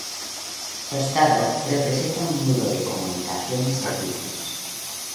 Tostado representa un nudo de comunicación y servicios.